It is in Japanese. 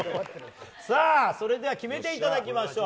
それでは決めていただきましょう。